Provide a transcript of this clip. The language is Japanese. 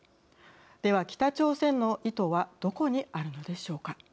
では北朝鮮の意図はどこにあるのでしょうか。